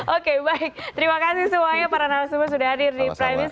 oke baik terima kasih semuanya para narasumber sudah hadir di prime news